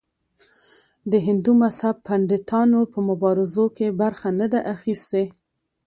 د هندو مذهب پنډتانو په مبارزو کې برخه نه ده اخیستې.